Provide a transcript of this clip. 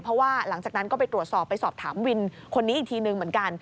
เพราะว่าหลังจากนั้นก็ไปตรวจสอบไปสอบถามวินคนนี้อีกทีนึงเหมือนกัน